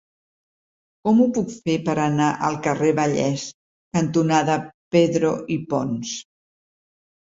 Com ho puc fer per anar al carrer Vallès cantonada Pedro i Pons?